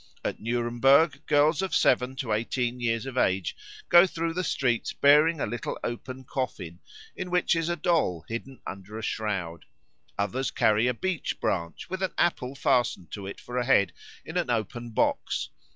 At Nuremberg girls of seven to eighteen years of age go through the streets bearing a little open coffin, in which is a doll hidden under a shroud. Others carry a beech branch, with an apple fastened to it for a head, in an open box.